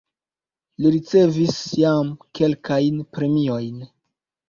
Li ricevis jam kelkajn premiojn.